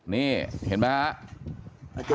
นี่เห็นไหมฮะ